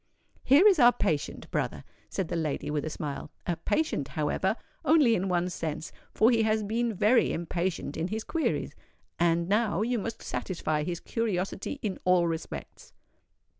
"Here is our patient, brother," said the lady, with a smile: "a patient, however, only in one sense, for he has been very impatient in his queries; and now you must satisfy his curiosity in all respects."